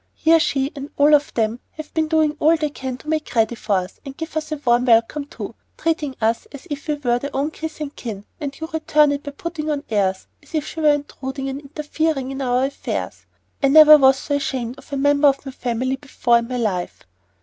Here she, and all of them, have been doing all they can to make ready for us, giving us such a warm welcome too, treating us as if we were their own kith and kin, and you return it by putting on airs as if she were intruding and interfering in our affairs. I never was so ashamed of a member of my own family before in my life."